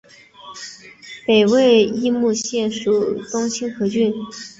北魏绎幕县属于东清河郡。